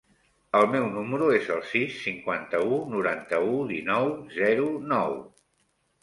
El meu número es el sis, cinquanta-u, noranta-u, dinou, zero, nou.